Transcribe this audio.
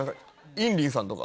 インリンさんとか。